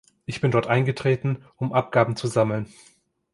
Ich bin dort eingetreten, um Abgaben zu sammeln.